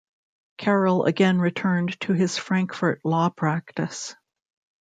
Carroll again returned to his Frankfort law practice.